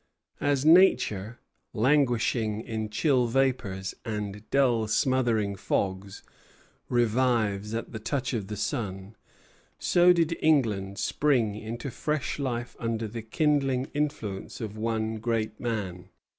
As Nature, languishing in chill vapors and dull smothering fogs, revives at the touch of the sun, so did England spring into fresh life under the kindling influence of one great man.